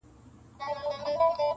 ستا په څېر مي هغه هم بلا د ځان دئ؛